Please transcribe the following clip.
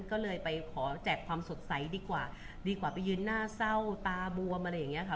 ก็เลยไปขอแจกความสดใสดีกว่าดีกว่าไปยืนหน้าเศร้าตาบวมอะไรอย่างนี้ค่ะ